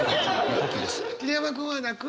桐山君は泣く？